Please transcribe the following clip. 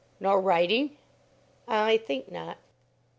"Nor writing?" "I think not."